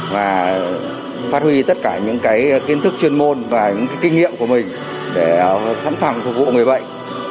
và phát huy tất cả những kiến thức chuyên môn và những kinh nghiệm của mình để sẵn sàng phục vụ người bệnh